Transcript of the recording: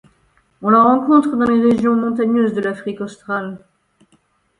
On la rencontre dans les régions montagneuses de l'Afrique australe.